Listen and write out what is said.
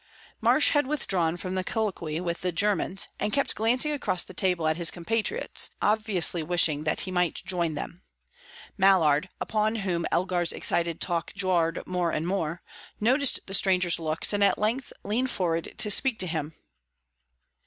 Marsh had withdrawn from colloquy with the Germans, and kept glancing across the table at his compatriots, obviously wishing that he might join them. Mallard, upon whom Elgar's excited talk jarred more and more, noticed the stranger's looks, and at length leaned forward to speak to him.